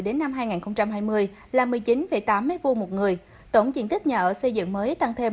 đến năm hai nghìn hai mươi là một mươi chín tám m hai một người tổng diện tích nhà ở xây dựng mới tăng thêm